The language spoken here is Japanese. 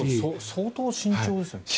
相当慎重ですよね。